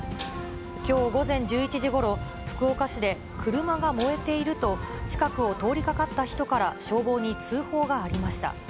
きょう午前１１時ごろ、福岡市で車が燃えていると、近くを通りかかった人から消防に通報がありました。